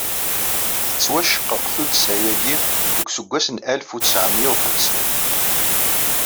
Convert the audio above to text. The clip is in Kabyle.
Tettwaceqqeq tuddsa-agi deg useggas n alef u tesεemya u xemsin.